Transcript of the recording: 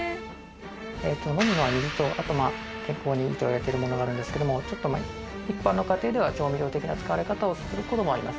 飲むのは水とあとまあ健康にいいと言われているものがあるんですけどもちょっとまあ一般の家庭では調味料的な使われ方をする事もあります。